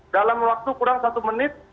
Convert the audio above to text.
dalam waktu kurang satu menit